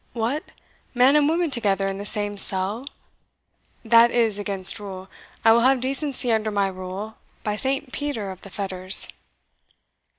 "What! man and woman together in the same cell? that is against rule. I will have decency under my rule, by Saint Peter of the Fetters!"